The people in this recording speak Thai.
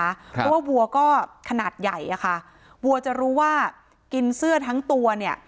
เพราะว่าวัวก็ขนาดใหญ่อะค่ะวัวจะรู้ว่ากินเสื้อทั้งตัวเนี่ย